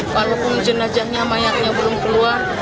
walaupun jenajahnya mayatnya belum keluar